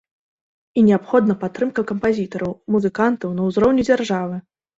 І неабходна падтрымка кампазітараў, музыкантаў на ўзроўні дзяржавы.